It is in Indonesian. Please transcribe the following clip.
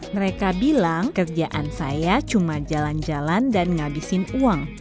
mereka bilang kerjaan saya cuma jalan jalan dan ngabisin uang